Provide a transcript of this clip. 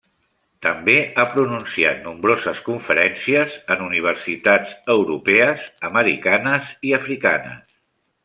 També ha pronunciat nombroses conferències en universitats europees, americanes i africanes.